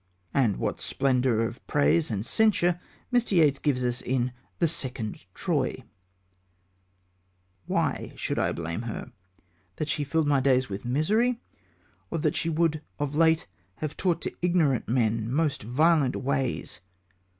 And what splendour of praise and censure Mr. Yeats gives us in The Second Troy: Why should I blame her, that she filled my days With misery, or that she would of late Have taught to ignorant men most violent ways.